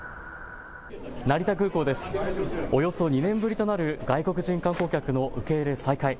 およそ２年ぶりとなる外国人観光客の受け入れ再開。